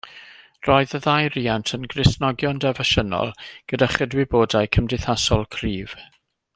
Roedd y ddau riant yn Gristnogion defosiynol gyda chydwybodau cymdeithasol cryf.